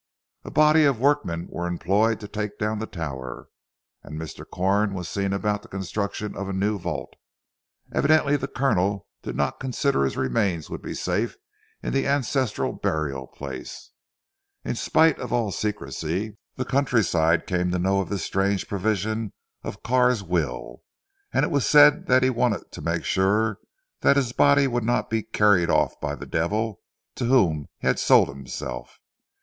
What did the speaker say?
A body of workmen were employed to take down the tower; and Mr. Corn was seen about the construction of a new vault. Evidently the Colonel did not consider that his remains would be safe in the ancestral burial place. In spite of all secrecy, the countryside came to know of this strange provision of Carr's will, and it was said that he wanted to make sure that his body would not be carried off by the devil to whom he had sold himself.